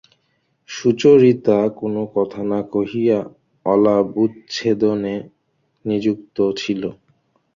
সুচরিতা কোনো কথা না কহিয়া অলাবুচ্ছেদনে নিযুক্ত ছিল।